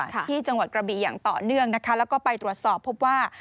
ที่จังหวัดกระบีอย่างต่อเนื่องนะคะแล้วก็ไปตรวจสอบพบว่า